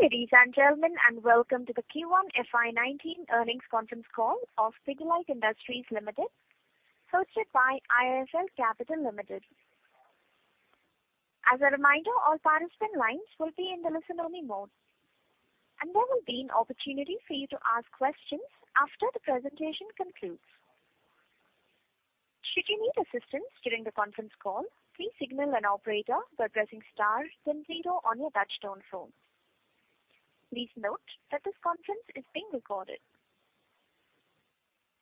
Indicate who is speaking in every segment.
Speaker 1: Good day, ladies and gentlemen. Welcome to the Q1 FY 2019 earnings conference call of Pidilite Industries Limited, hosted by IIFL Capital Limited. As a reminder, all participant lines will be in the listen-only mode. There will be an opportunity for you to ask questions after the presentation concludes. Should you need assistance during the conference call, please signal an operator by pressing star then zero on your touchtone phone. Please note that this conference is being recorded.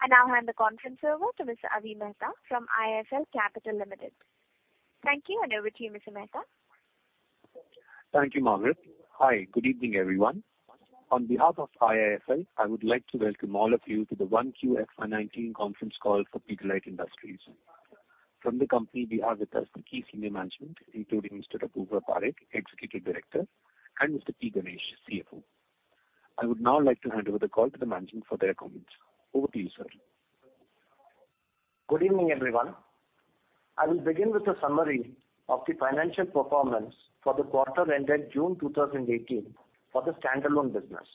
Speaker 1: I now hand the conference over to Mr. Avi Mehta from IIFL Capital Limited. Thank you, over to you, Mr. Mehta.
Speaker 2: Thank you, Margaret. Hi, good evening, everyone. On behalf of IIFL, I would like to welcome all of you to the 1Q FY 2019 conference call for Pidilite Industries. From the company, we have with us the key senior management, including Mr. Apurva Parekh, Executive Director, and Mr. P. Ganesh, CFO. I would now like to hand over the call to the management for their comments. Over to you, sir.
Speaker 3: Good evening, everyone. I will begin with a summary of the financial performance for the quarter ended June 2018 for the standalone business.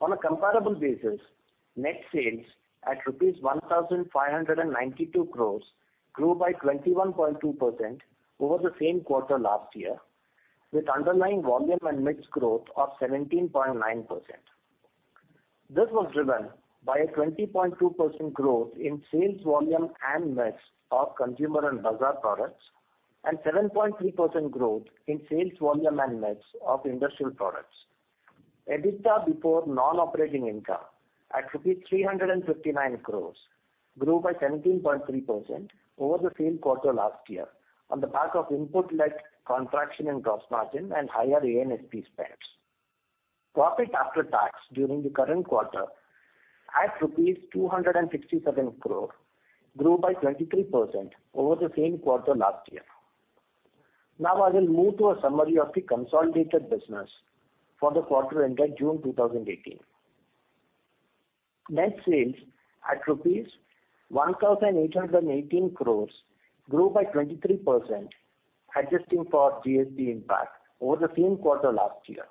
Speaker 3: On a comparable basis, net sales at INR 1,592 crore grew by 21.2% over the same quarter last year, with underlying volume and mix growth of 17.9%. This was driven by a 20.2% growth in sales volume and mix of Consumer and Bazaar products, and 7.3% growth in sales volume and mix of industrial products. EBITDA before non-operating income at rupees 359 crore grew by 17.3% over the same quarter last year on the back of input-led contraction in gross margin and higher A&SP spends. Profit after tax during the current quarter at rupees 267 crore grew by 23% over the same quarter last year. I will move to a summary of the consolidated business for the quarter ended June 2018. Net sales at rupees 1,818 crore grew by 23%, adjusting for GST impact over the same quarter last year.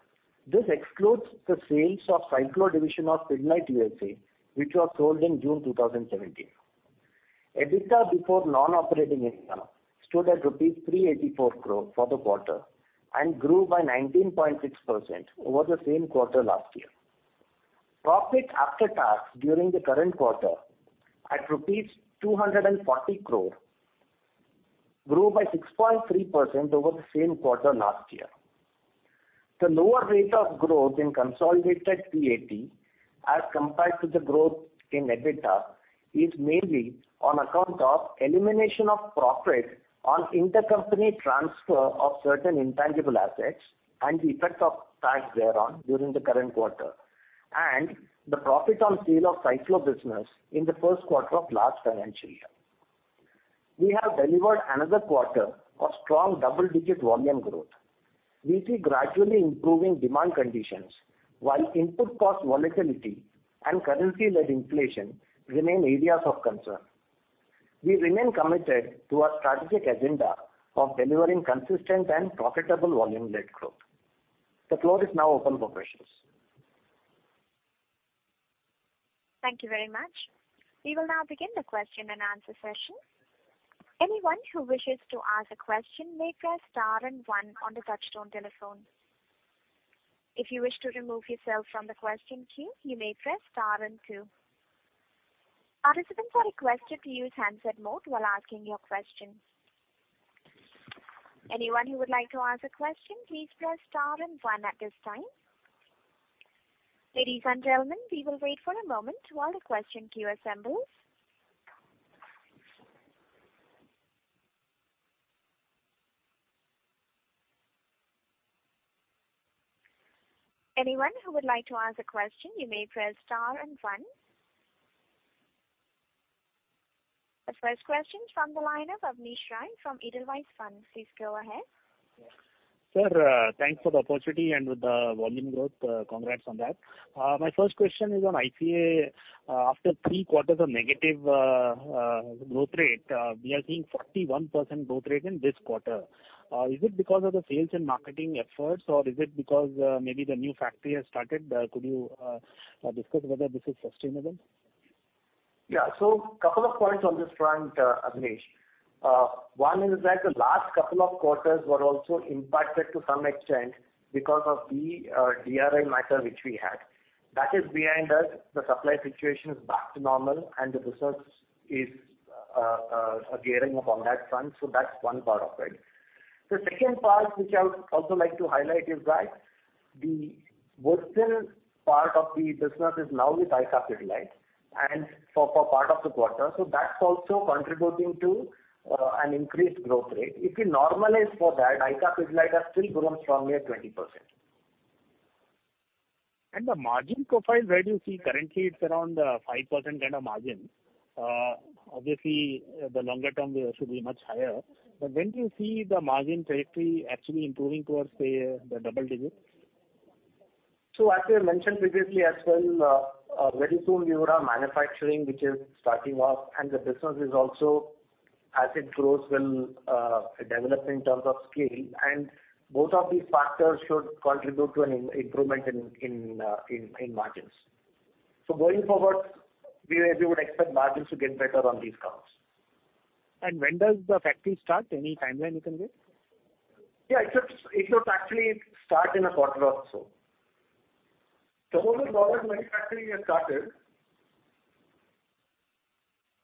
Speaker 3: This excludes the sales of Cyclo division of Pidilite USA, which was sold in June 2017. EBITDA before non-operating income stood at rupees 384 crore for the quarter and grew by 19.6% over the same quarter last year. Profit after tax during the current quarter at rupees 240 crore grew by 6.3% over the same quarter last year. The lower rate of growth in consolidated PAT as compared to the growth in EBITDA is mainly on account of elimination of profit on intercompany transfer of certain intangible assets and the effect of tax thereon during the current quarter, and the profit on sale of Cyclo business in the first quarter of last financial year. We have delivered another quarter of strong double-digit volume growth. We see gradually improving demand conditions while input cost volatility and currency-led inflation remain areas of concern. We remain committed to our strategic agenda of delivering consistent and profitable volume-led growth. The floor is now open for questions.
Speaker 1: Thank you very much. We will now begin the question and answer session. Anyone who wishes to ask a question may press star and one on the touchtone telephone. If you wish to remove yourself from the question queue, you may press star and two. Participants are requested to use handset mode while asking your question. Anyone who would like to ask a question, please press star and one at this time. Ladies and gentlemen, we will wait for a moment while the question queue assembles. Anyone who would like to ask a question, you may press star and one. The first question from the line of Avnish Rai from Edelweiss Fund. Please go ahead.
Speaker 4: Sir, thanks for the opportunity with the volume growth, congrats on that. My first question is on ICA. After three quarters of negative growth rate, we are seeing 41% growth rate in this quarter. Is it because of the sales and marketing efforts, or is it because maybe the new factory has started? Could you discuss whether this is sustainable?
Speaker 3: Yeah. A couple of points on this front, Avnish. One is that the last couple of quarters were also impacted to some extent because of the DRI matter which we had. That is behind us. The supply situation is back to normal, the results are gearing up on that front. That's one part of it. The second part, which I would also like to highlight, is that the worst part of the business is now with ICA Pidilite and for part of the quarter. That's also contributing to an increased growth rate. If you normalize for that, ICA Pidilite has still grown strongly at 20%.
Speaker 4: The margin profile, where do you see currently it's around 5% kind of margin. Obviously, the longer term should be much higher. When do you see the margin trajectory actually improving towards, say, the double digits?
Speaker 3: As we have mentioned previously as well, very soon we would have manufacturing which is starting up and the business is also as it grows will develop in terms of scale, and both of these factors should contribute to an improvement in margins. Going forward, we would expect margins to get better on these counts.
Speaker 4: When does the factory start? Any timeline you can give?
Speaker 3: Yeah. It should actually start in a quarter or so. Some of the products manufacturing has started.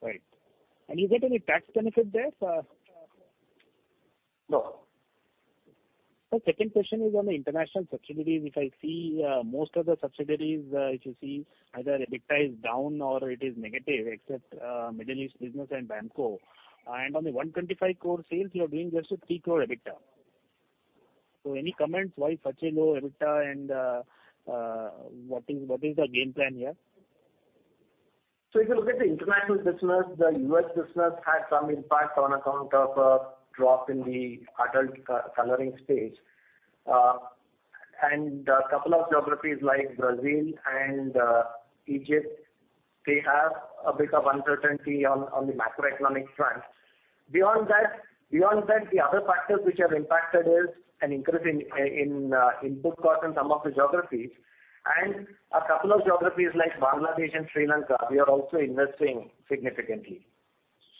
Speaker 4: Right. Do you get any tax benefit there?
Speaker 3: No.
Speaker 4: Sir, second question is on the international subsidiaries. If I see most of the subsidiaries, either EBITDA is down or it is negative except Middle East business and Bamco. On the 125 crore sales, you are doing just a 3 crore EBITDA. Any comments why such a low EBITDA and what is the game plan here?
Speaker 3: If you look at the international business, the U.S. business had some impact on account of a drop in the adult coloring space. A couple of geographies like Brazil and Egypt, they have a bit of uncertainty on the macroeconomic front. Beyond that, the other factors which have impacted is an increase in input cost in some of the geographies and a couple of geographies like Bangladesh and Sri Lanka, we are also investing significantly.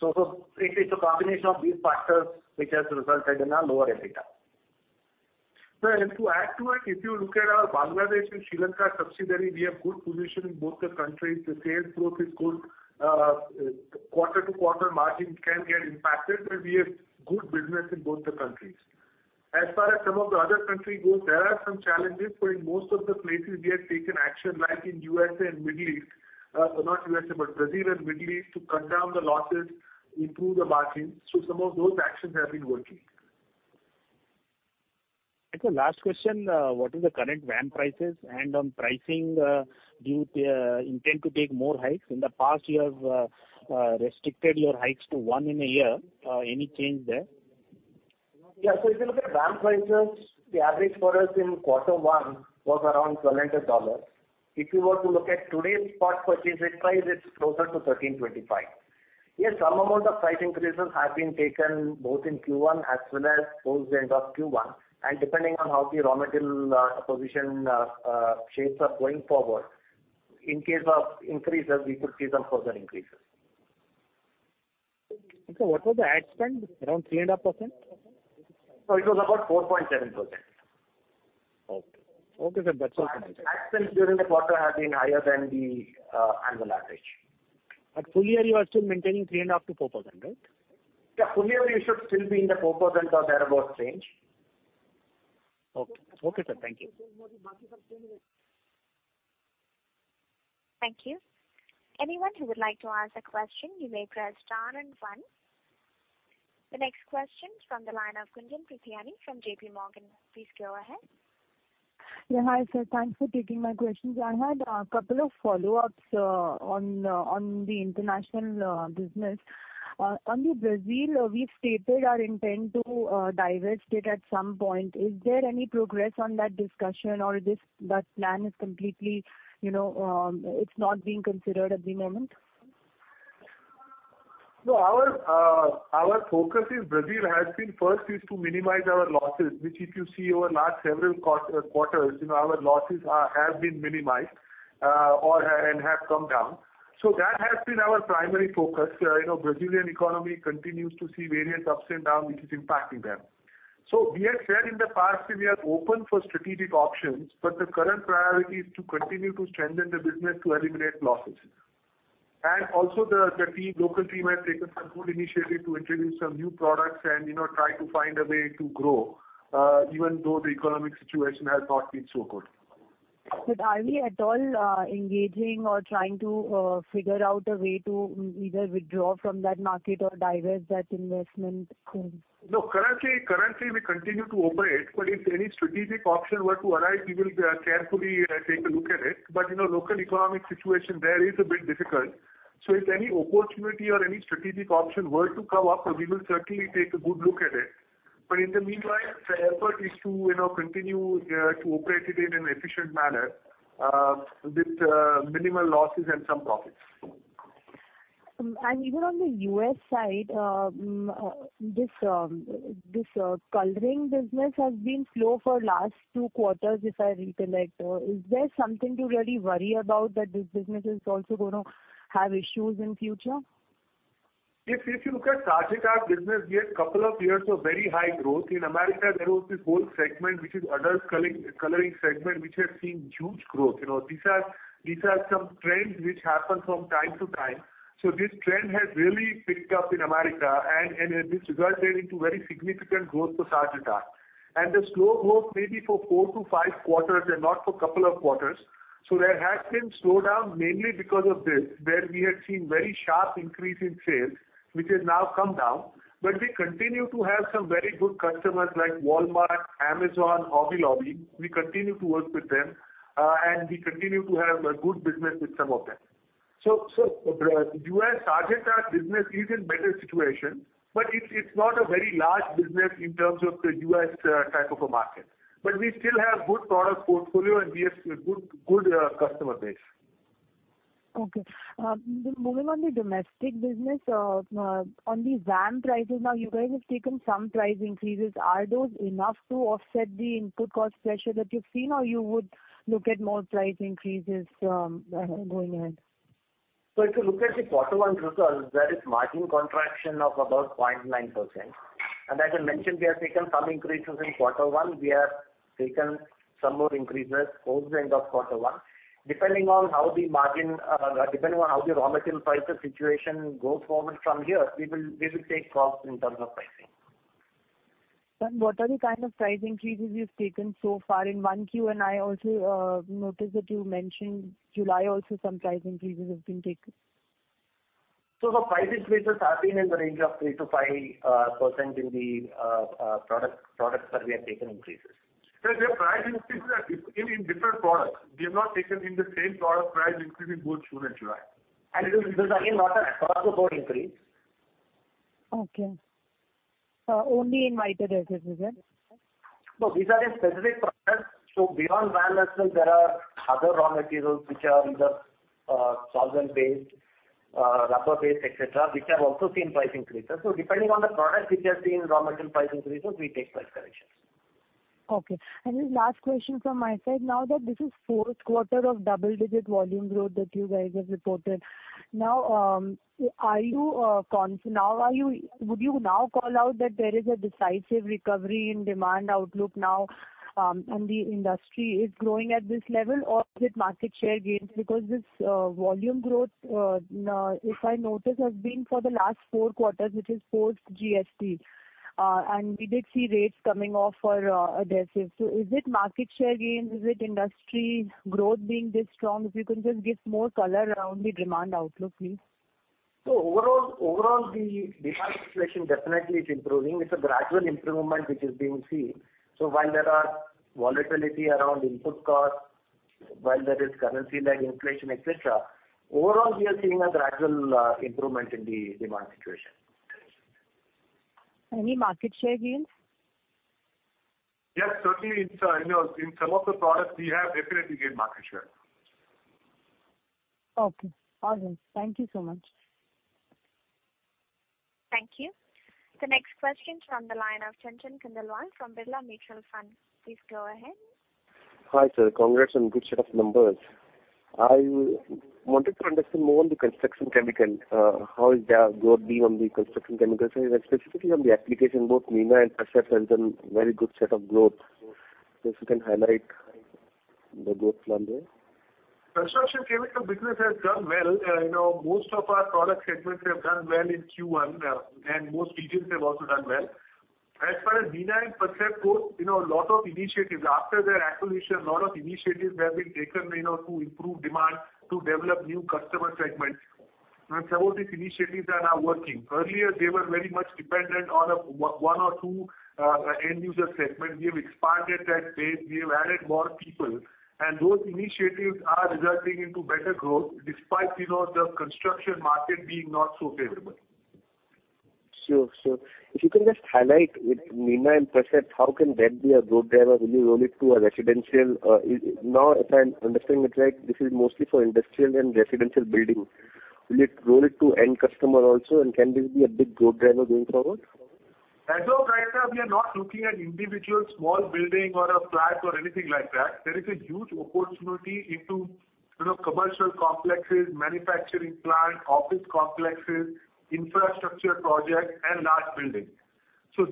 Speaker 3: It is a combination of these factors which has resulted in a lower EBITDA.
Speaker 5: Sir, to add to it, if you look at our Bangladesh and Sri Lanka subsidiary, we have good position in both the countries. The sales growth is good. Quarter-to-quarter margin can get impacted, but we have good business in both the countries. As far as some of the other country goes, there are some challenges, but in most of the places we have taken action like in Brazil and Middle East to cut down the losses, improve the margins. Some of those actions have been working.
Speaker 4: Sir, last question. What is the current VAM prices? On pricing, do you intend to take more hikes? In the past, you have restricted your hikes to one in a year. Any change there?
Speaker 3: Yeah. If you look at VAM prices, the average for us in quarter one was around twelve and a half dollars. If you were to look at today's spot purchase rate price, it's closer to $13.25. Yes, some amount of price increases have been taken both in Q1 as well as post the end of Q1. Depending on how the raw material position shapes up going forward, in case of increases, we could see some further increases.
Speaker 4: Sir, what was the ad spend? Around three and a half percent?
Speaker 3: No, it was about 4.7%.
Speaker 4: Okay, sir. That's what
Speaker 3: Ad spend during the quarter has been higher than the annual average.
Speaker 4: Full year you are still maintaining 3.5%-4%, right?
Speaker 3: Yeah. Full year we should still be in the 4% or thereabout range.
Speaker 4: Okay, sir. Thank you.
Speaker 1: Thank you. Anyone who would like to ask a question, you may press star and one. The next question from the line of Gunjan Prithiani from JP Morgan. Please go ahead.
Speaker 6: Yeah. Hi, sir. Thanks for taking my questions. I had a couple of follow-ups on the international business. On the Brazil, we've stated our intent to divest it at some point. Is there any progress on that discussion or that plan is completely, it's not being considered at the moment?
Speaker 3: No, our focus in Brazil has been first is to minimize our losses, which if you see over last several quarters, our losses have been minimized and have come down. That has been our primary focus. Brazilian economy continues to see various ups and downs, which is impacting them. We have said in the past that we are open for strategic options, but the current priority is to continue to strengthen the business to eliminate losses. Also the local team has taken some good initiative to introduce some new products and try to find a way to grow even though the economic situation has not been so good.
Speaker 6: Are we at all engaging or trying to figure out a way to either withdraw from that market or divest that investment?
Speaker 3: No, currently we continue to operate, if any strategic option were to arise, we will carefully take a look at it. Local economic situation there is a bit difficult. If any opportunity or any strategic option were to come up, we will certainly take a good look at it. In the meanwhile, the effort is to continue to operate it in an efficient manner with minimal losses and some profits.
Speaker 6: Even on the U.S. side, this coloring business has been slow for last two quarters, if I recollect. Is there something to really worry about that this business is also going to have issues in future?
Speaker 3: If you look at Sargent Art business, we had couple of years of very high growth. In America, there was this whole segment, which is adult coloring segment, which has seen huge growth. These are some trends which happen from time to time. This trend has really picked up in America, and this resulted into very significant growth for Sargent Art. The slow growth may be for four to five quarters and not for couple of quarters. There has been slowdown mainly because of this, where we had seen very sharp increase in sales, which has now come down. We continue to have some very good customers like Walmart, Amazon, Hobby Lobby. We continue to work with them, and we continue to have a good business with some of them.
Speaker 5: U.S. target business is in better situation, but it's not a very large business in terms of the U.S. type of a market. We still have good product portfolio and we have good customer base.
Speaker 6: Okay. Moving on the domestic business, on the VAM prices now, you guys have taken some price increases. Are those enough to offset the input cost pressure that you've seen, or you would look at more price increases going ahead?
Speaker 3: If you look at the quarter one results, there is margin contraction of about 0.9%. As I mentioned, we have taken some increases in quarter one. We have taken some more increases towards the end of quarter one. Depending on how the raw material prices situation goes forward from here, we will take calls in terms of pricing.
Speaker 6: What are the kind of price increases you've taken so far in 1Q? I also noticed that you mentioned July also, some price increases have been taken.
Speaker 3: The price increases have been in the range of 3%-5% in the products that we have taken increases.
Speaker 5: Sir, there are price increases in different products. We have not taken in the same product price increase in both June and July.
Speaker 3: This is again not across the board increase.
Speaker 6: Okay. Only in white adhesives then?
Speaker 3: No, these are in specific products. Beyond VAM essentials, there are other raw materials which are either solvent-based, rubber-based, et cetera, which have also seen price increases. Depending on the product which has seen raw material price increases, we take price corrections.
Speaker 6: Okay. This is last question from my side. Now that this is fourth quarter of double-digit volume growth that you guys have reported. Would you now call out that there is a decisive recovery in demand outlook now, and the industry is growing at this level, or is it market share gains because this volume growth, if I notice, has been for the last four quarters, which is post GST, and we did see rates coming off for adhesives. Is it market share gains? Is it industry growth being this strong? If you can just give more color around the demand outlook, please.
Speaker 3: Overall, the demand situation definitely is improving. It's a gradual improvement which is being seen. While there are volatility around input cost, while there is currency-led inflation, et cetera, overall, we are seeing a gradual improvement in the demand situation.
Speaker 6: Any market share gains?
Speaker 5: Yes, certainly in some of the products we have definitely gained market share.
Speaker 6: Okay, awesome. Thank you so much.
Speaker 1: Thank you. The next question is from the line of Chanchal Khandelwal from Birla Mutual Fund. Please go ahead.
Speaker 7: Hi, sir. Congrats on good set of numbers. I wanted to understand more on the construction chemical. How is their growth being on the construction chemicals, and specifically on the application both Nina and Percept has done very good set of growth. If you can highlight the growth from there.
Speaker 5: Construction chemical business has done well. Most of our product segments have done well in Q1, and most regions have also done well. As far as Nina and Percept goes, after their acquisition, lot of initiatives have been taken to improve demand, to develop new customer segments, and some of these initiatives are now working. Earlier, they were very much dependent on one or two end user segments. We have expanded that base, we have added more people, and those initiatives are resulting into better growth despite the construction market being not so favorable.
Speaker 7: Sure. If you can just highlight with Nina and Percept, how can that be a growth driver? Will you roll it to a residential. Now, if I'm understanding it right, this is mostly for industrial and residential building. Will it roll it to end customer also, and can this be a big growth driver going forward?
Speaker 5: As of right now, we are not looking at individual small building or a flat or anything like that. There is a huge opportunity into commercial complexes, manufacturing plant, office complexes, infrastructure project, and large buildings.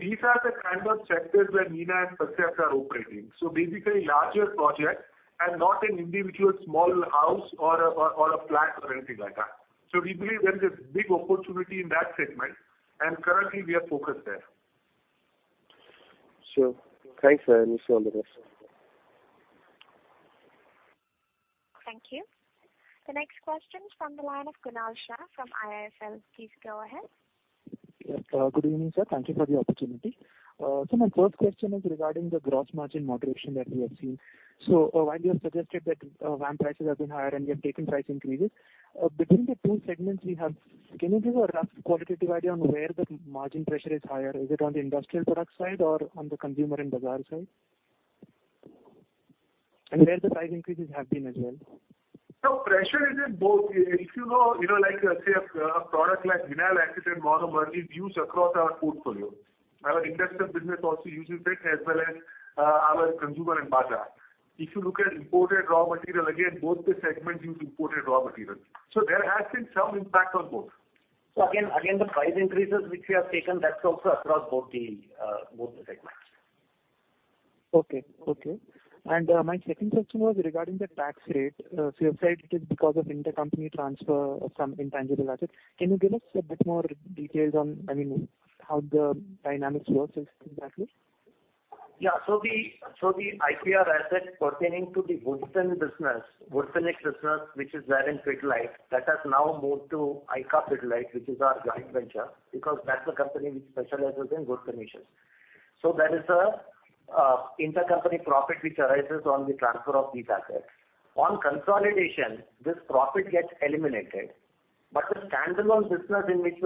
Speaker 5: These are the kind of sectors where Nina and Percept are operating. Basically larger projects and not an individual small house or a flat or anything like that. We believe there is a big opportunity in that segment, and currently we are focused there.
Speaker 7: Sure. Thanks, sir. Wish you all the best.
Speaker 1: Thank you. The next question is from the line of Kunal Shah from IIFL. Please go ahead.
Speaker 8: Yes. Good evening, sir. Thank you for the opportunity. My first question is regarding the gross margin moderation that we have seen. While you have suggested that VAM prices have been higher and you have taken price increases, between the two segments we have, can you give a rough qualitative idea on where the margin pressure is higher? Is it on the industrial product side or on the Consumer and Bazaar side? Where the price increases have been as well.
Speaker 5: Pressure is in both. If you know, like say a product like vinyl acetate monomer is used across our portfolio. Our industrial business also uses it as well as our Consumer and Bazaar. If you look at imported raw material, again, both the segments use imported raw material. There has been some impact on both.
Speaker 3: Again, the price increases which we have taken, that's also across both the segments.
Speaker 8: Okay. My second question was regarding the tax rate. You have said it is because of intercompany transfer of some intangible asset. Can you give us a bit more details on how the dynamics works exactly?
Speaker 3: Yeah. The IPR asset pertaining to the woodstain business, woodstain business, which is there in Pidilite, that has now moved to ICA Pidilite, which is our joint venture, because that's the company which specializes in wood finishes. There is an intercompany profit which arises on the transfer of these assets. On consolidation, this profit gets eliminated. The standalone Pidilite business in which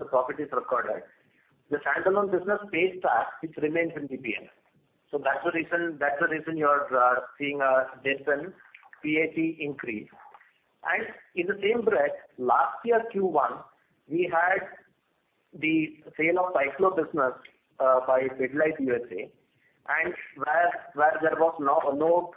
Speaker 3: the profit is recorded, the standalone business pays tax, which remains in P&L. That's the reason you're seeing a decent PAT increase. In the same breath, last year Q1, we had the sale of Cyclo business by Pidilite USA, and where there was no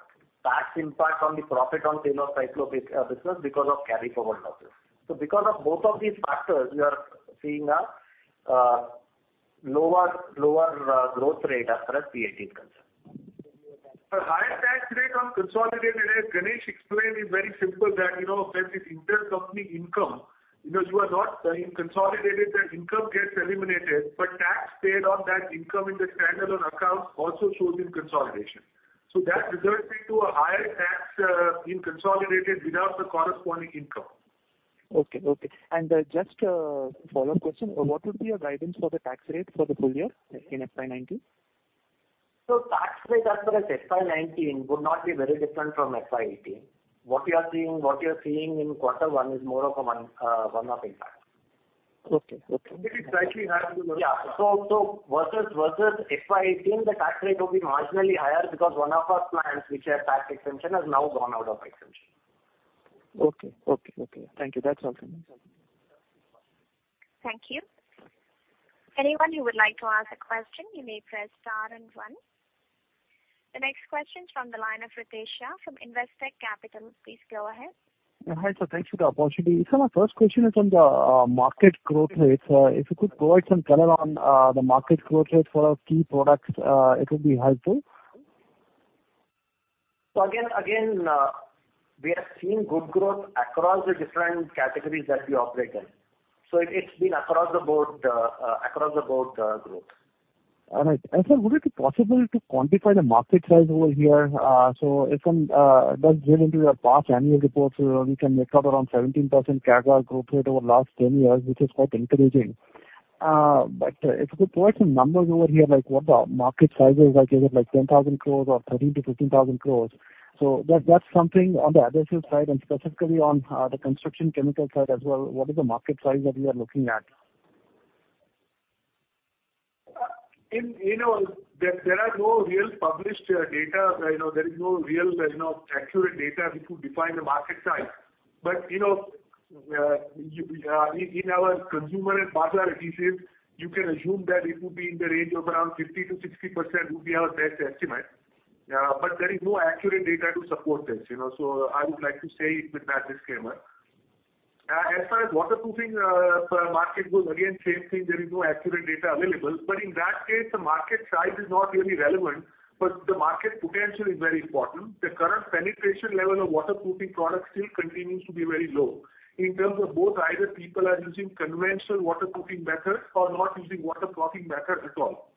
Speaker 3: tax impact on the profit on sale of Cyclo business because of carry forward losses. Because of both of these factors, we are seeing a lower growth rate as far as PAT concerned.
Speaker 5: The higher tax rate on consolidated, as Ganesh explained, is very simple that, when it's intercompany income, because you are not consolidated, that income gets eliminated, but tax paid on that income in the standalone account also shows in consolidation. That results into a higher tax in consolidated without the corresponding income.
Speaker 8: Okay. Just a follow-up question. What would be your guidance for the tax rate for the full year in FY 2019?
Speaker 3: Tax rate as far as FY19 would not be very different from FY18. What we are seeing in quarter one is more of a one-off impact.
Speaker 8: Okay.
Speaker 5: It will be slightly higher.
Speaker 3: Versus FY18, the tax rate will be marginally higher because one of our plants which had tax exemption has now gone out of exemption.
Speaker 8: Thank you. That's all from my side.
Speaker 1: Thank you. Anyone who would like to ask a question, you may press star and one. The next question is from the line of Ritesh Shah from Investec Capital. Please go ahead.
Speaker 9: Hi, sir. Thanks for the opportunity. Sir, my first question is on the market growth rates. If you could provide some color on the market growth rate for our key products, it would be helpful.
Speaker 3: We are seeing good growth across the different categories that we operate in. It's been across the board growth.
Speaker 9: All right. Sir, would it be possible to quantify the market size over here? If one does delve into your past annual reports, we can make out around 17% CAGR growth rate over last 10 years, which is quite encouraging. If you could provide some numbers over here, like what the market size is, like is it 10,000 crores or 13,000-15,000 crores? That's something on the adhesives side and specifically on the construction chemical side as well. What is the market size that we are looking at?
Speaker 5: There are no real published data. There is no real accurate data which could define the market size. In our Consumer and Bazaar adhesives, you can assume that it would be in the range of around 50%-60% would be our best estimate. There is no accurate data to support this. I would like to say it with that disclaimer. As far as waterproofing market goes, again, same thing, there is no accurate data available, but in that case, the market size is not really relevant, but the market potential is very important. The current penetration level of waterproofing products still continues to be very low. In terms of both, either people are using conventional waterproofing methods or not using waterproofing methods at all.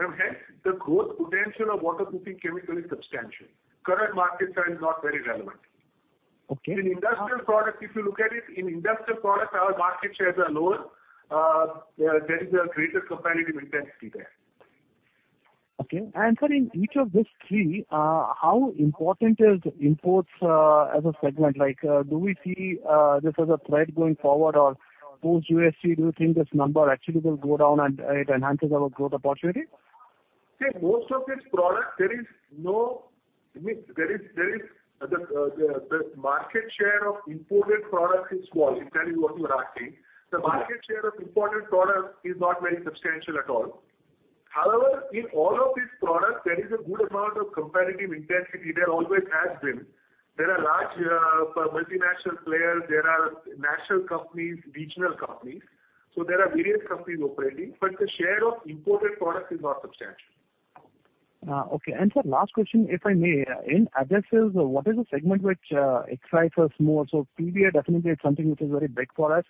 Speaker 5: Hence, the growth potential of waterproofing chemical is substantial. Current market size is not very relevant.
Speaker 9: Okay.
Speaker 5: In industrial products, if you look at it, in industrial products, our market shares are lower. There is a greater competitive intensity there.
Speaker 9: Okay. Sir, in each of these three, how important is imports as a segment? Do we see this as a threat going forward or post GST, do you think this number actually will go down and it enhances our growth opportunity?
Speaker 5: See, most of these products, the market share of imported products is small, if that is what you are asking. The market share of imported products is not very substantial at all. However, in all of these products, there is a good amount of competitive intensity. There always has been. There are large multinational players, there are national companies, regional companies. There are various companies operating, but the share of imported products is not substantial.
Speaker 9: Okay. Sir, last question, if I may. In adhesives, what is the segment which excites us more? PVA definitely is something which is very big for us.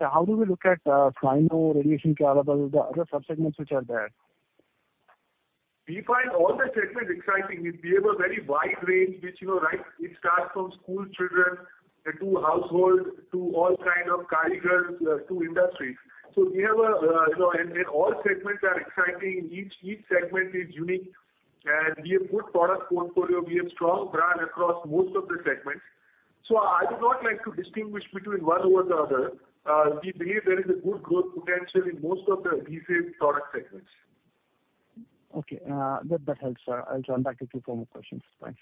Speaker 9: How do we look at cyanoacrylate, radiation curable, the other sub-segments which are there?
Speaker 5: We find all the segments exciting. We have a very wide range which, it starts from school children, to household, to all kind of carpenters, to industries. All segments are exciting. Each segment is unique, and we have good product portfolio. We have strong brand across most of the segments. I would not like to distinguish between one over the other. We believe there is a good growth potential in most of the adhesive product segments.
Speaker 9: Okay. That helps, sir. I'll join back with you for more questions. Thanks.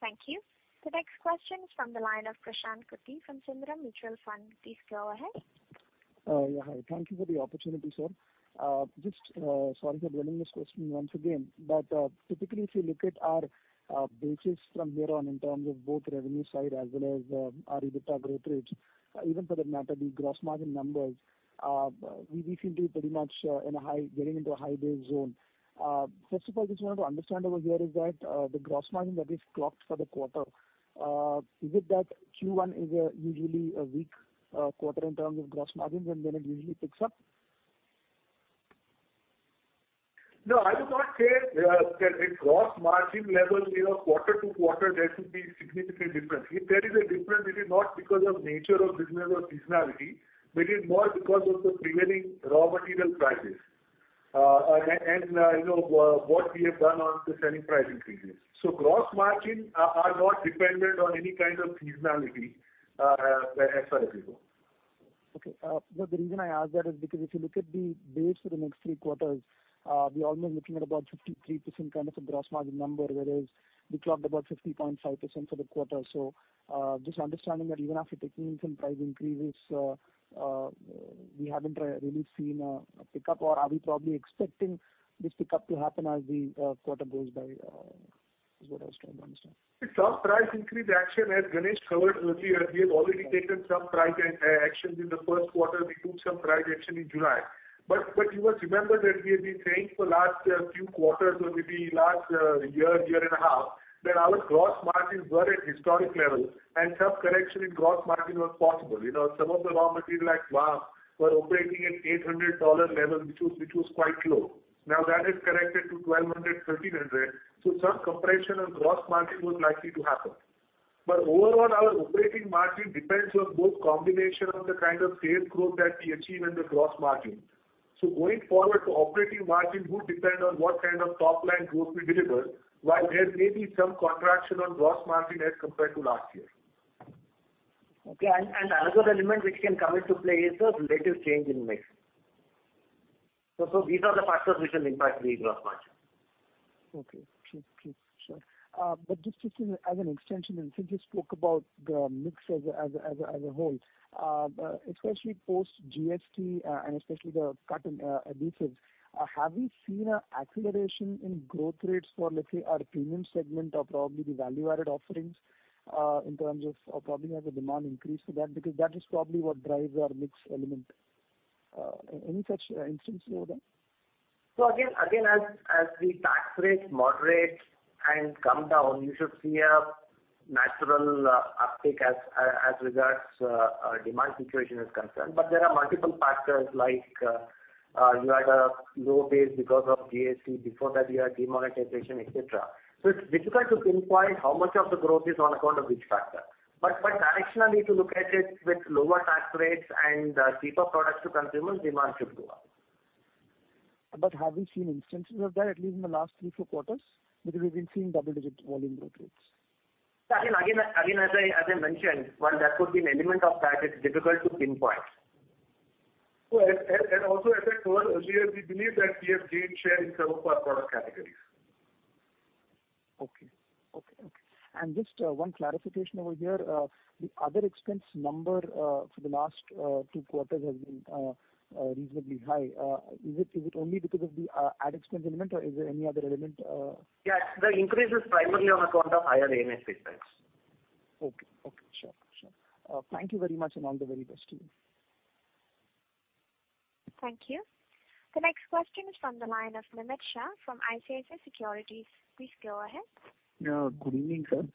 Speaker 1: Thank you. The next question is from the line of Prashant Kutty from Sundaram Mutual Fund. Please go ahead.
Speaker 10: Hi. Thank you for the opportunity, sir. Sorry for dwelling this question once again. Typically, if you look at our bases from here on in terms of both revenue side as well as our EBITDA growth rates, even for that matter, the gross margin numbers, we recently pretty much getting into a high base zone. First of all, I just wanted to understand over here, is that the gross margin that is clocked for the quarter, is it that Q1 is usually a weak quarter in terms of gross margins, and then it usually picks up?
Speaker 5: No, I would not say that with gross margin levels quarter to quarter, there should be significant difference. If there is a difference, it is not because of nature of business or seasonality, but it's more because of the prevailing raw material prices. What we have done on the selling price increases. Gross margin are not dependent on any kind of seasonality as far as we go.
Speaker 10: Okay. The reason I ask that is because if you look at the base for the next three quarters, we're almost looking at about 53% kind of a gross margin number, whereas we clocked about 50.5% for the quarter. Just understanding that even after taking in some price increases, we haven't really seen a pickup, or are we probably expecting this pickup to happen as the quarter goes by? Is what I was trying to understand.
Speaker 5: Some price increase action, as Ganesh covered earlier, we have already taken some price actions in the first quarter. We took some price action in July. You must remember that we have been saying for last few quarters, or maybe last year and a half, that our gross margins were at historic levels, and some correction in gross margin was possible. Some of the raw material like VAM were operating at $800 level, which was quite low. Now that has corrected to $1,200, $1,300. Some compression on gross margin was likely to happen. Overall, our operating margin depends on both combination of the kind of sales growth that we achieve and the gross margin. Going forward, the operating margin would depend on what kind of top-line growth we deliver, while there may be some contraction on gross margin as compared to last year.
Speaker 3: Okay. Another element which can come into play is the relative change in mix. These are the factors which will impact the gross margin.
Speaker 10: Okay. Sure. Just as an extension, and since you spoke about the mix as a whole, especially post GST and especially the cut in adhesives, have we seen an acceleration in growth rates for, let's say, our premium segment or probably the value-added offerings, in terms of probably has the demand increased for that? Because that is probably what drives our mix element. Any such instances over there?
Speaker 3: Again, as the tax rates moderate and come down, you should see a natural uptick as regards our demand situation is concerned. There are multiple factors like you had a low base because of GST, before that you had demonetization, et cetera. It's difficult to pinpoint how much of the growth is on account of which factor. Directionally, if you look at it with lower tax rates and cheaper products to consumers, demand should go up.
Speaker 10: Have we seen instances of that, at least in the last three, four quarters? Because we've been seeing double-digit volume growth rates.
Speaker 3: As I mentioned, while there could be an element of that, it's difficult to pinpoint.
Speaker 5: Also, as I covered earlier, we believe that we have gained share in some of our product categories.
Speaker 10: Okay. Just one clarification over here. The other expense number for the last two quarters has been reasonably high. Is it only because of the ad expense element, or is there any other element?
Speaker 3: Yeah. The increase is primarily on account of higher A&SP expense.
Speaker 10: Okay. Sure. Thank you very much, and all the very best to you.
Speaker 1: Thank you. The next question is from the line of Nimesh Shah from ICICI Securities. Please go ahead.
Speaker 11: Good evening, sir.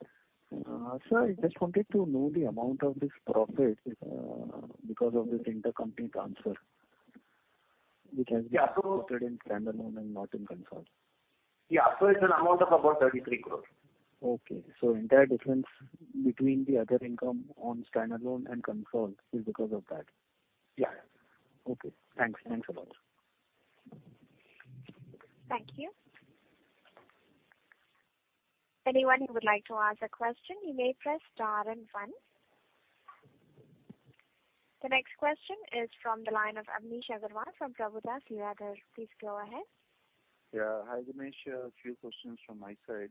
Speaker 11: Sir, I just wanted to know the amount of this profit because of this intercompany transfer.
Speaker 3: Yeah.
Speaker 11: quoted in standalone and not in consolidated.
Speaker 3: Yeah. It's an amount of about 33 crore.
Speaker 11: Okay. The entire difference between the other income on standalone and consolidated is because of that?
Speaker 3: Yeah.
Speaker 11: Okay. Thanks a lot.
Speaker 1: Thank you. Anyone who would like to ask a question, you may press star and one. The next question is from the line of Amnish Aggarwal from Prabhudas Lilladher. Please go ahead.
Speaker 12: Yeah. Hi, Ganesh. A few questions from my side.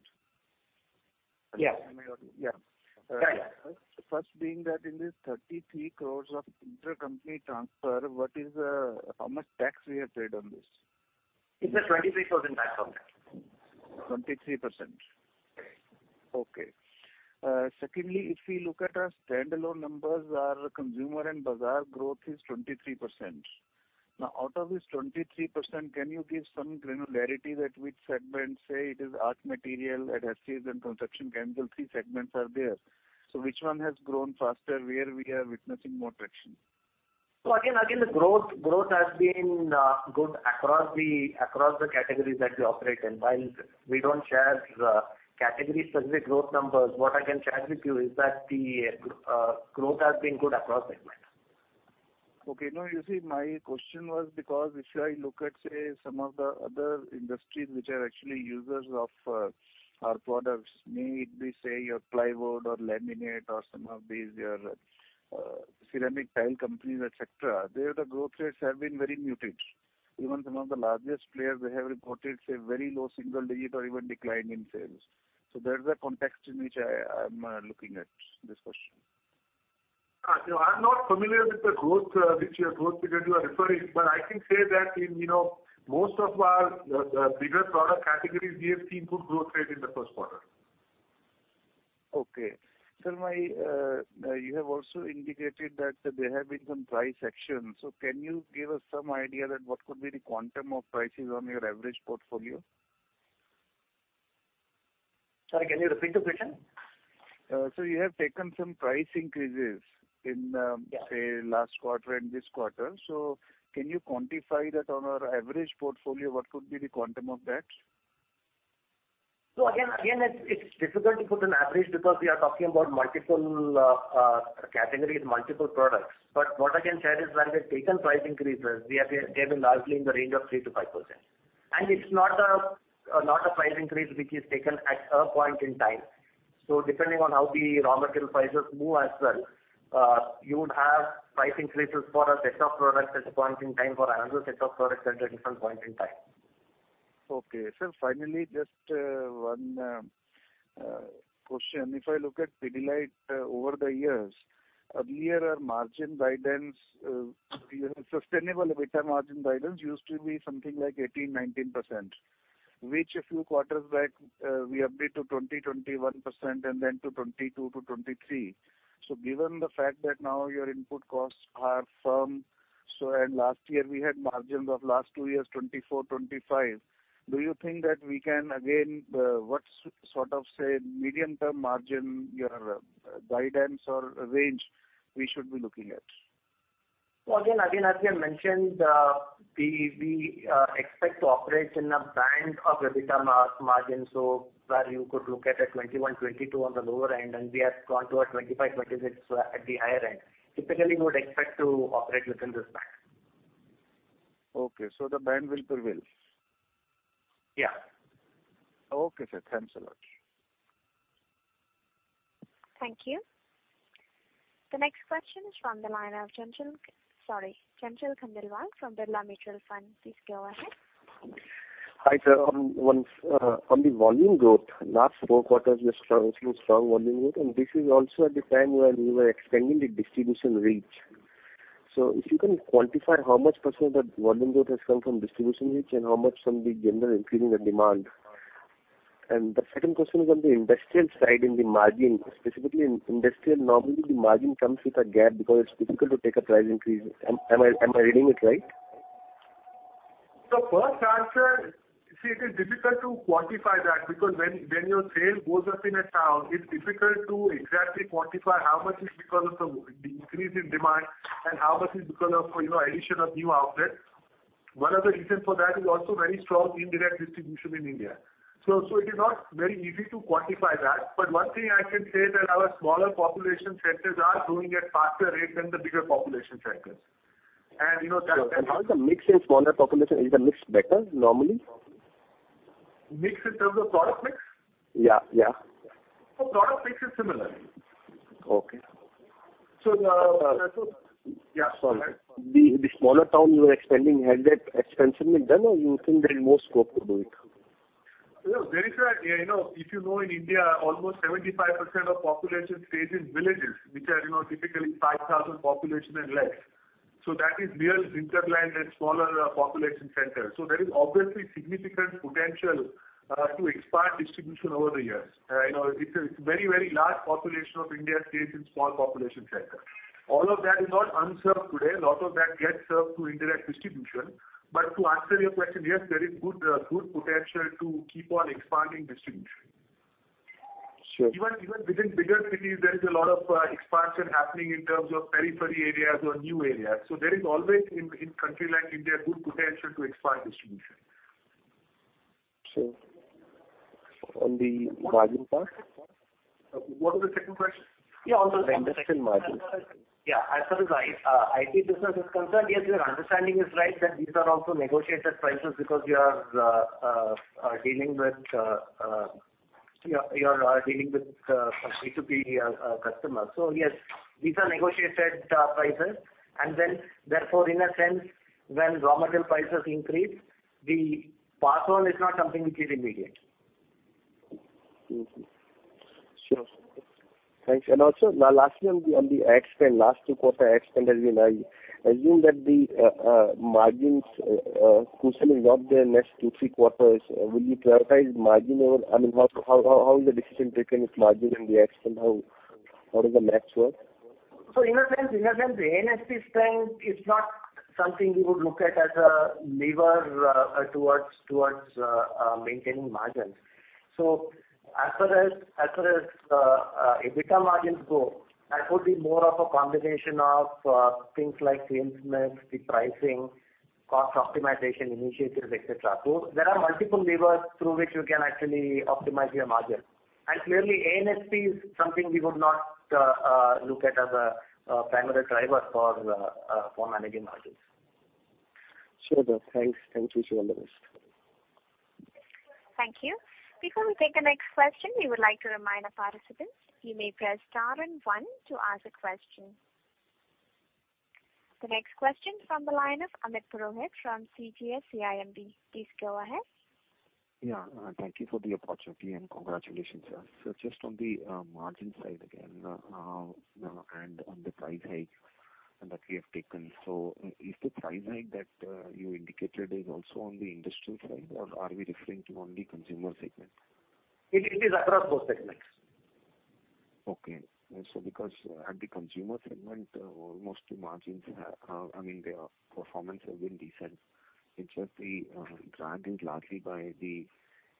Speaker 3: Yeah.
Speaker 12: First being that in this 33 crores of intercompany transfer, how much tax we have paid on this?
Speaker 3: It's a 23% tax on that.
Speaker 12: 23%?
Speaker 3: Correct.
Speaker 12: Okay. Secondly, if we look at our standalone numbers, our Consumer and Bazaar growth is 23%. Out of this 23%, can you give some granularity that which segment, say it is art material, adhesives, and construction chemical, three segments are there. Which one has grown faster where we are witnessing more traction?
Speaker 3: Again, the growth has been good across the categories that we operate in. While we don't share category-specific growth numbers, what I can share with you is that the growth has been good across segments.
Speaker 12: Okay. You see, my question was because if I look at, say, some of the other industries which are actually users of our products, may it be, say, your plywood or laminate or some of these ceramic tile companies, et cetera, there the growth rates have been very muted. Even some of the largest players, they have reported, say, very low single digit or even decline in sales. That's the context in which I'm looking at this question.
Speaker 5: I'm not familiar with the growth segment you are referring, but I can say that in most of our bigger product categories, we have seen good growth rate in the first quarter.
Speaker 12: Okay. Sir, you have also indicated that there have been some price action. Can you give us some idea that what could be the quantum of prices on your average portfolio?
Speaker 3: Sorry, can you repeat the question?
Speaker 12: Sir, you have taken some price increases in, say, last quarter and this quarter. Can you quantify that on our average portfolio? What could be the quantum of that?
Speaker 3: Again, it's difficult to put an average because we are talking about multiple categories, multiple products. What I can share is when we've taken price increases, they've been largely in the range of 3% to 5%. It's not a price increase which is taken at a point in time. Depending on how the raw material prices move as well, you would have price increases for a set of products at a point in time, for another set of products at a different point in time.
Speaker 12: Okay. Sir, finally, just one question. If I look at Pidilite over the years, earlier our margin guidance, sustainable EBITDA margin guidance used to be something like 18%-19%, which a few quarters back, we update to 20%-21%, and then to 22%-23%. Given the fact that now your input costs are firm, and last year we had margins of last two years, 24%-25%, do you think that we can again, what sort of, say, medium-term margin, your guidance or range we should be looking at?
Speaker 3: Again, as we have mentioned, we expect to operate in a band of EBITDA margins where you could look at a 21%-22% on the lower end, and we have gone to a 25%-26% at the higher end. Typically, we would expect to operate within this band.
Speaker 12: Okay, the band will prevail.
Speaker 3: Yeah.
Speaker 12: Okay, sir. Thanks a lot.
Speaker 1: Thank you. The next question is from the line of Chanchal Khandelwal from Birla Mutual Fund. Please go ahead.
Speaker 7: Hi, sir. On the volume growth, last 4 quarters you have shown strong volume growth, and this is also at the time when we were expanding the distribution reach. If you can quantify how much % of that volume growth has come from distribution reach and how much from the general increase in the demand. The second question is on the industrial side in the margin, specifically in industrial, normally the margin comes with a gap because it is difficult to take a price increase. Am I reading it right?
Speaker 5: First answer, see, it is difficult to quantify that because when your sales goes up in a town, it is difficult to exactly quantify how much is because of the increase in demand and how much is because of addition of new outlets. One of the reasons for that is also very strong indirect distribution in India. It is not very easy to quantify that. One thing I can say that our smaller population centers are growing at faster rates than the bigger population centers.
Speaker 7: How is the mix in smaller population? Is the mix better normally?
Speaker 5: Mix in terms of product mix?
Speaker 7: Yeah.
Speaker 5: Product mix is similar.
Speaker 7: Okay.
Speaker 5: Yeah.
Speaker 7: Sorry. The smaller towns you are expanding, has that expansion been done, or you think there is more scope to do it?
Speaker 5: If you know, in India, almost 75% of population stays in villages, which are typically 5,000 population and less. That is real hinterland and smaller population centers. There is obviously significant potential to expand distribution over the years. A very, very large population of India stays in small population centers. All of that is not unserved today. A lot of that gets served through indirect distribution. To answer your question, yes, there is good potential to keep on expanding distribution.
Speaker 7: Sure.
Speaker 5: Even within bigger cities, there is a lot of expansion happening in terms of periphery areas or new areas. There is always, in country like India, good potential to expand distribution.
Speaker 7: Sure. On the margin part?
Speaker 5: What was the second question?
Speaker 3: Yeah.
Speaker 7: The industrial margin.
Speaker 3: Yeah. As far as IP business is concerned, yes, your understanding is right that these are also negotiated prices because you are dealing with B2B customers. Yes, these are negotiated prices. Therefore, in a sense, when raw material prices increase, the pass-on is not something which is immediate.
Speaker 7: Sure. Thanks. Now lastly on the CapEx spend, last two quarter CapEx spend has been high. Assume that the margins cushion is not there next two, three quarters. Will you prioritize margin over I mean, how is the decision taken with margin and the CapEx spend? How does the math work?
Speaker 3: In a sense, the A&SP spend is not something we would look at as a lever towards maintaining margins. As far as EBITDA margins go, that would be more of a combination of things like sales mix, the pricing, cost optimization initiatives, et cetera. There are multiple levers through which you can actually optimize your margin. Clearly, A&SP is something we would not look at as a primary driver for managing margins.
Speaker 7: Sure. Thanks. Wish you all the best.
Speaker 1: Thank you. Before we take the next question, we would like to remind our participants, you may press star and one to ask a question. The next question is from the line of Amit Purohit from CGS-CIMB. Please go ahead.
Speaker 13: Thank you for the opportunity and congratulations. Just on the margin side again, on the price hike that we have taken. Is the price hike that you indicated is also on the industrial side, or are we referring to only consumer segment?
Speaker 3: It is across both segments
Speaker 13: Okay. Because at the consumer segment, their performance has been decent. It's just the drag is largely by the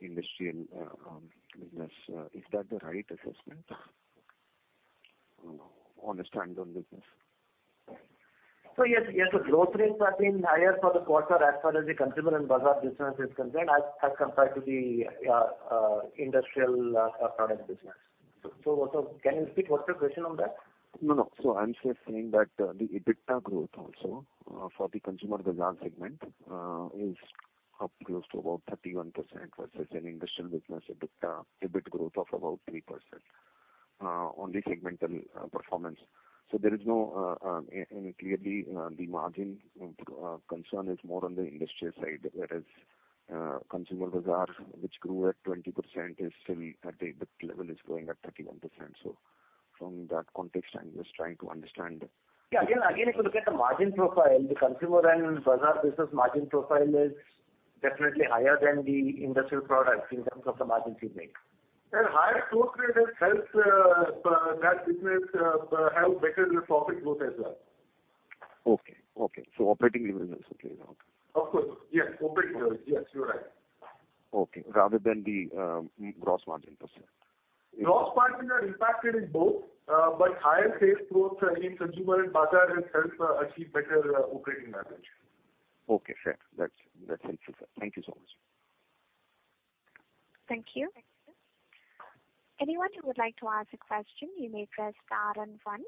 Speaker 13: industrial business. Is that the right assessment on a standalone basis?
Speaker 3: Yes, the growth rates have been higher for the quarter as far as the Consumer and Bazaar business is concerned as compared to the industrial products business. Can you speak what the question on that?
Speaker 13: No, no. I'm just saying that the EBITDA growth also for the Consumer and Bazaar segment is up close to about 31% versus an industrial business EBITDA EBIT growth of about 3% on the segmental performance. Clearly, the margin concern is more on the industrial side. Whereas Consumer and Bazaar, which grew at 20%, is still at the EBIT level, is growing at 31%. From that context, I'm just trying to understand.
Speaker 3: Yeah. Again, if you look at the margin profile, the Consumer and Bazaar business margin profile is definitely higher than the industrial products in terms of the margins we make.
Speaker 5: Higher growth rate helps that business have better profit growth as well.
Speaker 13: Okay. Operating leverage also plays out.
Speaker 5: Of course. Yes, you're right.
Speaker 13: Okay. Rather than the gross margin %.
Speaker 5: Gross margin are impacted in both, higher sales growth in Consumer and Bazaar has helped achieve better operating leverage.
Speaker 13: Okay, fair. That's interesting, sir. Thank you so much.
Speaker 1: Thank you. Anyone who would like to ask a question, you may press star and one.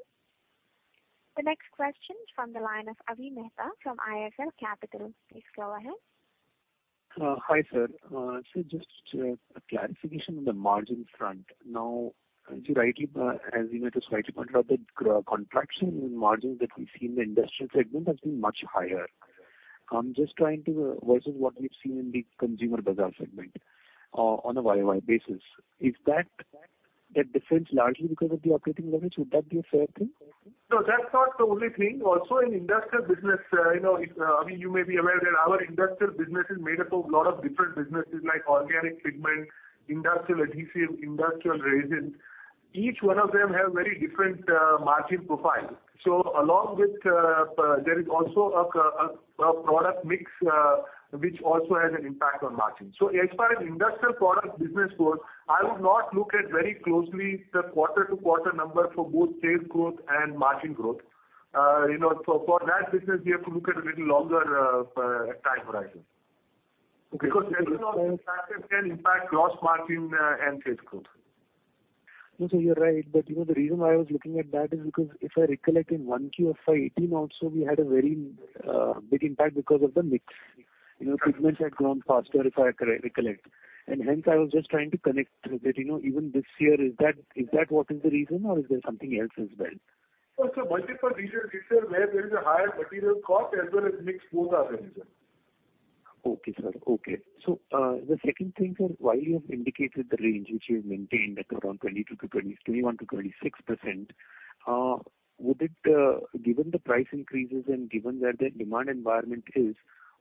Speaker 1: The next question is from the line of Avi Mehta from IIFL Capital. Please go ahead.
Speaker 2: Hi, sir. Just a clarification on the margin front. As Amit has rightly pointed out, the contraction in margins that we see in the industrial segment has been much higher versus what we've seen in the Consumer and Bazaar segment on a year-over-year basis. Is that difference largely because of the operating leverage? Would that be a fair thing?
Speaker 5: No, that's not the only thing. In industrial business, Avi, you may be aware that our industrial business is made up of lot of different businesses like organic pigment, industrial adhesive, industrial resin. Each one of them have very different margin profile. There is also a product mix which also has an impact on margin. As far as industrial product business goes, I would not look at very closely the quarter-to-quarter number for both sales growth and margin growth. For that business, we have to look at a little longer time horizon.
Speaker 2: Okay.
Speaker 5: Seasonal factors can impact gross margin and sales growth.
Speaker 2: No, sir, you're right. The reason why I was looking at that is because if I recollect in 1Q of FY 2018 also, we had a very big impact because of the mix. Pigments had grown faster, if I recollect. Hence I was just trying to connect that even this year, is that what is the reason or is there something else as well?
Speaker 5: Multiple reasons. It is where there is a higher material cost as well as mix. Both are the reason.
Speaker 2: Okay, sir. The second thing, sir, while you have indicated the range which you have maintained at around 21%-26%, given the price increases and given where the demand environment is,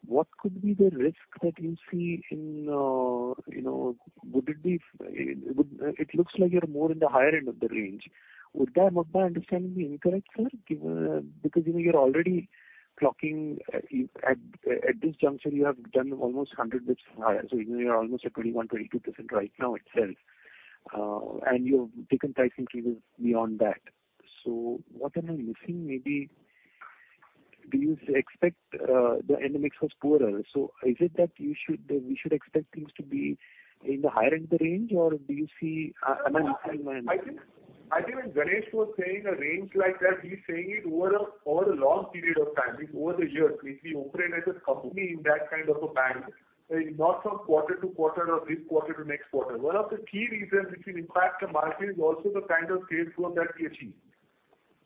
Speaker 2: what could be the risk that you see in. It looks like you are more in the higher end of the range. Would my understanding be incorrect, sir? At this juncture, you have done almost 100 basis points higher. You are almost at 21%-22% right now itself. You have taken price increases beyond that. What am I missing? Do you expect the end mix was poorer? Is it that we should expect things to be in the higher end of the range?
Speaker 5: I think when Ganesh was saying a range like that, he is saying it over a long period of time, over the years, we operate as a company in that kind of a band, not from quarter to quarter or this quarter to next quarter. One of the key reasons which will impact the margin is also the kind of sales growth that we achieve.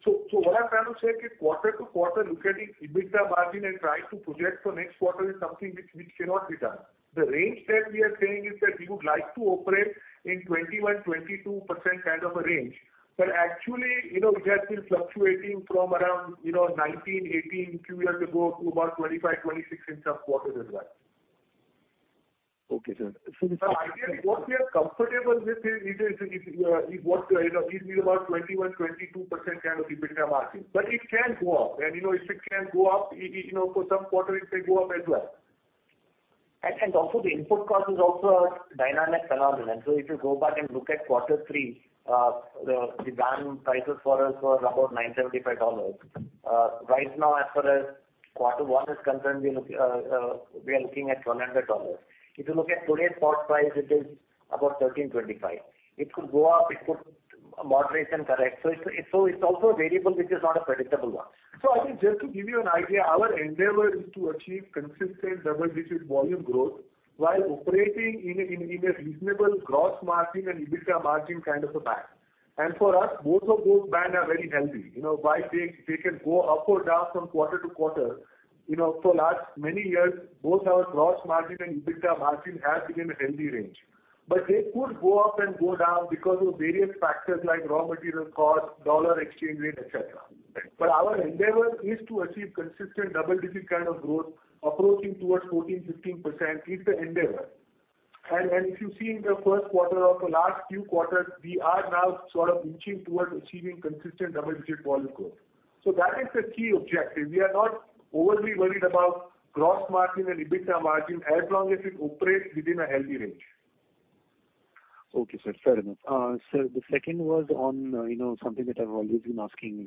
Speaker 5: What I am trying to say is quarter to quarter, looking at EBITDA margin and trying to project for next quarter is something which cannot be done. The range that we are saying is that we would like to operate in 21%-22% kind of a range. Actually, it has been fluctuating from around 19%, 18% few years ago to about 25%, 26% in some quarters as well.
Speaker 2: Okay, sir.
Speaker 5: Ideally, what we are comfortable with is what is easily about 21%-22% kind of EBITDA margin. It can go up, and if it can go up, for some quarter, it may go up as well.
Speaker 3: Also the input cost is also a dynamic phenomenon. If you go back and look at quarter three, the VAM prices for us was about $975. Right now, as far as quarter one is concerned, we are looking at $100. If you look at today's spot price, it is about $1,325. It could go up, it could moderate and correct. It's also a variable which is not a predictable one.
Speaker 5: I think just to give you an idea, our endeavor is to achieve consistent double-digit volume growth while operating in a reasonable gross margin and EBITDA margin kind of a band. For us, both of those band are very healthy. While they can go up or down from quarter to quarter, for last many years, both our gross margin and EBITDA margin have been in a healthy range. They could go up and go down because of various factors like raw material cost, dollar exchange rate, et cetera. Our endeavor is to achieve consistent double-digit kind of growth approaching towards 14%-15% is the endeavor. If you see in the first quarter of the last few quarters, we are now sort of inching towards achieving consistent double-digit volume growth. That is the key objective. We are not overly worried about gross margin and EBITDA margin, as long as it operates within a healthy range.
Speaker 2: Okay, sir. Fair enough. The second was on something that I've always been asking.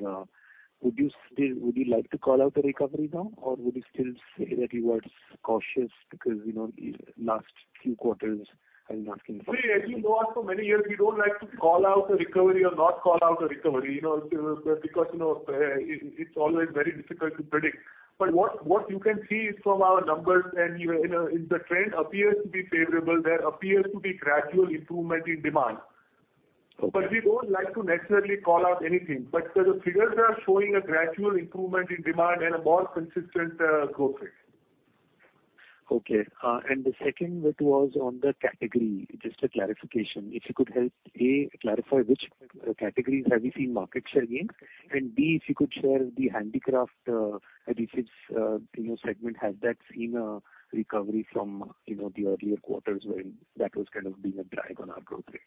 Speaker 2: Would you like to call out the recovery now, or would you still say that you are cautious because, the last few quarters I've been asking for-
Speaker 5: As you know, after many years, we don't like to call out a recovery or not call out a recovery. It's always very difficult to predict. What you can see is from our numbers and the trend appears to be favorable, there appears to be gradual improvement in demand.
Speaker 2: Okay.
Speaker 5: We don't like to necessarily call out anything. The figures are showing a gradual improvement in demand and a more consistent growth rate.
Speaker 2: Okay. The second bit was on the category, just a clarification. If you could help, A, clarify which categories have you seen market share in, and B, if you could share the handicraft adhesives segment. Has that seen a recovery from the earlier quarters when that was kind of being a drag on our growth rates?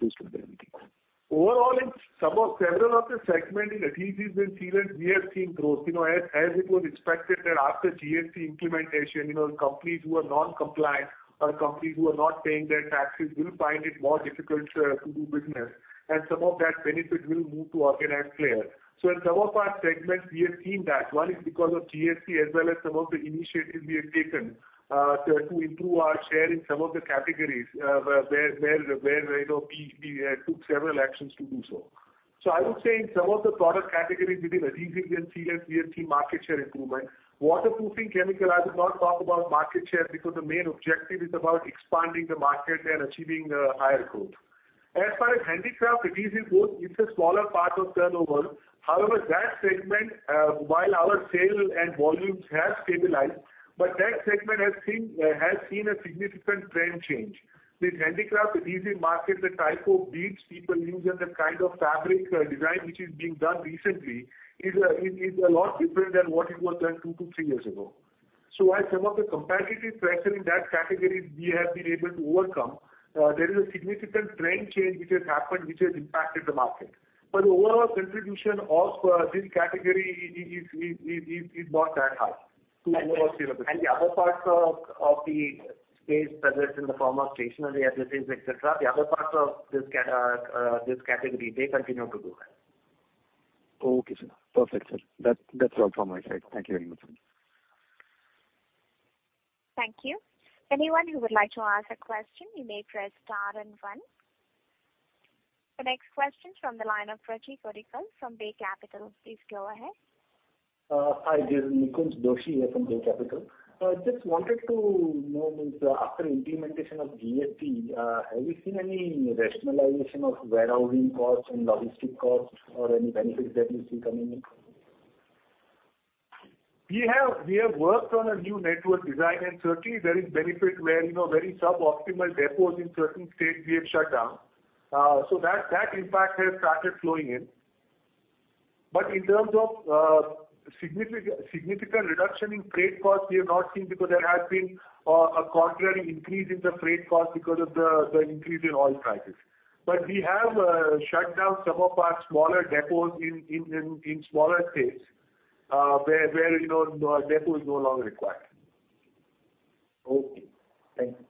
Speaker 2: Those were the only things.
Speaker 5: In several of the segments in adhesives, we have seen growth. As it was expected that after GST implementation, companies who are non-compliant or companies who are not paying their taxes will find it more difficult to do business, and some of that benefit will move to organized players. In some of our segments, we have seen that. One is because of GST, as well as some of the initiatives we have taken to improve our share in some of the categories where we took several actions to do so. I would say in some of the product categories within adhesives, we have seen GST market share improvement. Waterproofing chemical, I would not talk about market share because the main objective is about expanding the market and achieving higher growth. As far as handicraft adhesives go, it's a smaller part of turnover. That segment, while our sales and volumes have stabilized, that segment has seen a significant trend change. With handicraft adhesive market, the type of beads people use and the kind of fabric design which is being done recently is a lot different than what it was done two to three years ago. While some of the competitive pressure in that category we have been able to overcome, there is a significant trend change which has happened which has impacted the market. The overall contribution of this category is not that high. 2% or 0%.
Speaker 3: The other parts of the space, whether it's in the form of stationery adhesives, et cetera, the other parts of this category, they continue to do well.
Speaker 2: Okay, sir. Perfect, sir. That's all from my side. Thank you very much, sir.
Speaker 1: Thank you. Anyone who would like to ask a question, you may press star and one. The next question from the line of Rachit Goradia from Bay Capital. Please go ahead.
Speaker 14: Hi, this is Nikunj Doshi here from Bay Capital. Just wanted to know, after implementation of GST, have you seen any rationalization of warehousing costs and logistic costs or any benefits that you see coming in?
Speaker 5: We have worked on a new network design, certainly there is benefit where, very suboptimal depots in certain states we have shut down. That impact has started flowing in. In terms of significant reduction in freight cost, we have not seen because there has been a contrary increase in the freight cost because of the increase in oil prices. We have shut down some of our smaller depots in smaller states, where a depot is no longer required.
Speaker 14: Okay. Thank you.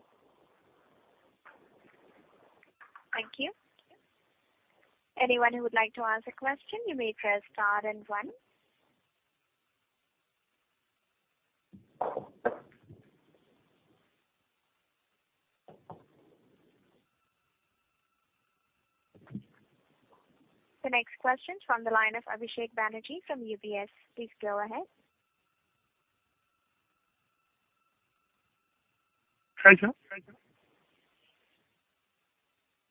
Speaker 1: Thank you. Anyone who would like to ask a question, you may press star and one. The next question from the line of Abhishek Banerjee from UBS. Please go ahead.
Speaker 15: Hi, sir.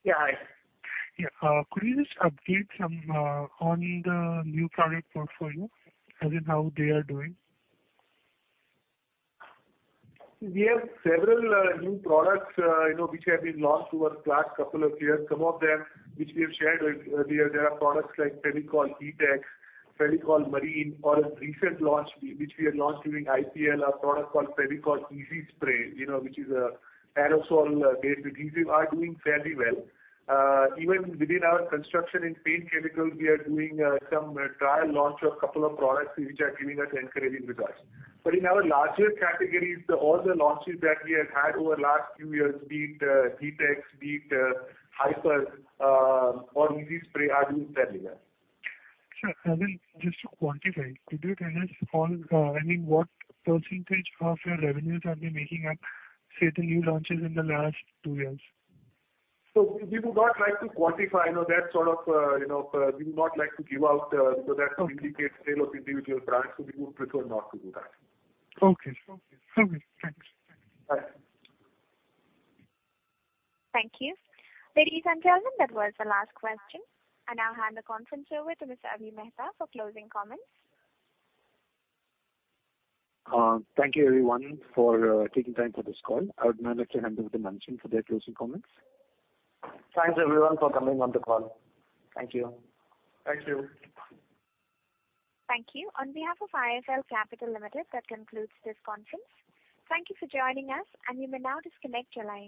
Speaker 5: Yeah, hi.
Speaker 15: Could you just update on the new product portfolio, as in how they are doing?
Speaker 5: We have several new products which have been launched over the last couple of years. Some of them which we have shared with you earlier. There are products like Fevicol Deetex, Fevicol Marine, or a recent launch which we have launched during IPL, a product called Fevicol Ezee Spray, which is an aerosol-based adhesive, are doing fairly well. Even within our construction and paint chemicals, we are doing some trial launch of a couple of products which are giving us encouraging results. In our larger categories, all the launches that we have had over the last few years, be it Deetex, be it Hi-per or Ezee Spray, are doing fairly well.
Speaker 15: Sir, just to quantify, could you tell us all, what percentage of your revenues have been making up, say, the new launches in the last two years?
Speaker 5: We would not like to quantify. We would not like to give out, because that indicates sale of individual brands, so we would prefer not to do that.
Speaker 15: Okay. All right. Thanks.
Speaker 5: Bye.
Speaker 1: Thank you. Ladies and gentlemen, that was the last question. I now hand the conference over to Mr. Avi Mehta for closing comments.
Speaker 2: Thank you everyone for taking time for this call. I would now like to hand over to [Manshin] for their closing comments.
Speaker 5: Thanks everyone for coming on the call.
Speaker 3: Thank you.
Speaker 5: Thank you.
Speaker 1: Thank you. On behalf of IIFL Capital Limited, that concludes this conference. Thank you for joining us, and you may now disconnect your lines.